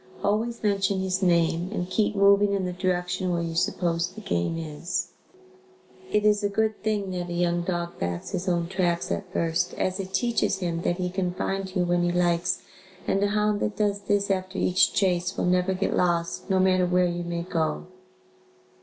Always mention his name and keep moving in the direction where you suppose the game is. It is a good thing that a young dog backs his own tracks at first, as it teaches him that he can find you when he likes and a hound that does this after each chase will never get lost no matter where you may go.